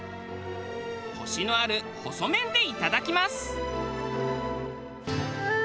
コシのある細麺でいただきます。